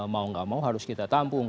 mau gak mau harus kita tampung